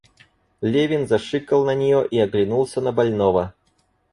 Левин зашикал на нее и оглянулся на больного.